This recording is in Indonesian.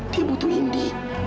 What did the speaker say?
dia butuh indi